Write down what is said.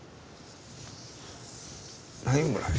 何もない。